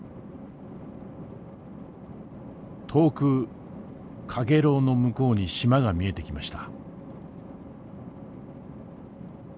遠く陽炎の向こうに島が見えてきました。